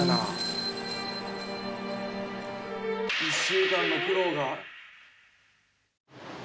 「１週間の苦労が」